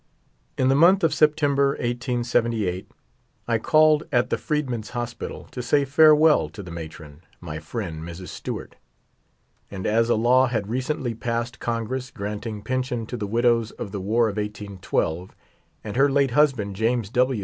In the month of September, 1878, 1 called at the Freed men's Hospital to say farewell to the matron — my friend, Mrs. Stewart ; and as a law had recently passed Congress granting pension to the widows of the war of 1812, and her late husband, James W.